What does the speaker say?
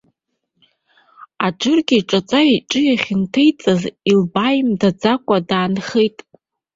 Аџыргьы иҿаҵа иҿы иахьынҭеиҵаз илбааимдаӡакәа даанхеит.